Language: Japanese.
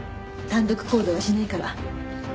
単独行動はしないから。